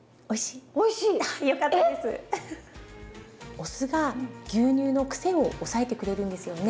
お酢が牛乳のクセを抑えてくれるんですよね。